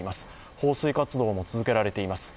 放水活動も続けられています。